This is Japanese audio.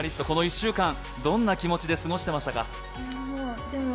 この１週間、どんな気持ちで過ごしてましたか？